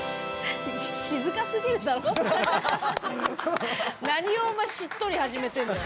静かすぎるだろ。